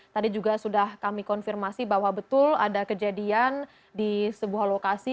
tadi juga sudah kami konfirmasi bahwa betul ada kejadian di sebuah lokasi